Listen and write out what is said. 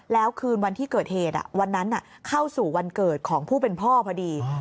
แล้วคืนวันที่เกิดเหตุวันนั้นเข้าสู่วันเกิดของผู้เป็นพ่อพอดี